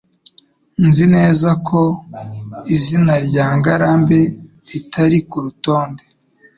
Nzi neza ko izina rya Ngarambe ritari kurutonde.